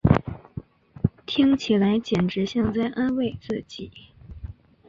听起来简直像在安慰自己